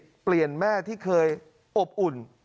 ยาเสพติดเปลี่ยนแม่ที่เคยอบอุ่น